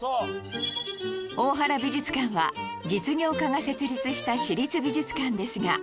大原美術館は実業家が設立した私立美術館ですが